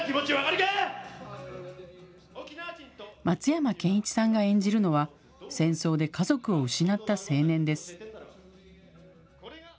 松山ケンイチさんが演じるのは、戦争で家族を失った青年です。